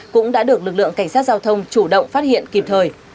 cũng đã được lực lượng cảnh sát giao thông chủ động phát hiện kịp thời